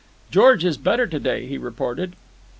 "George is better to day," he reported.